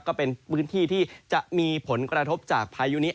ก็เป็นพื้นที่ที่จะมีผลกระทบจากพายุนี้